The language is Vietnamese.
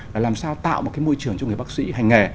là làm sao tạo một môi trường cho người bác sĩ hành nghề